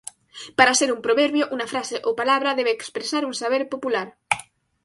Para ser un proverbio, una frase o palabra debe expresar un saber popular.